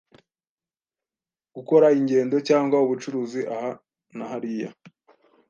gukora ingendo cyangwa ubucuruzi aha na hariya